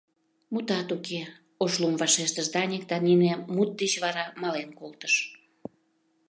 — Мутат уке, Ошлум, вашештыш Даник да нине мут деч вара мален колтыш.